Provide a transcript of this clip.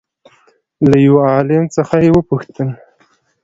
له له يوه عالم څخه يې وپوښتل